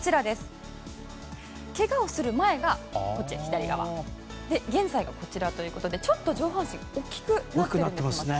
けがをする前が左側現在が右側ということでちょっと大きくなっています。